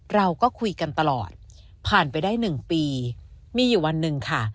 เราก็คุยกันตลอดผ่านไปได้๑ปีมีอยู่วันหนึ่งค่ะ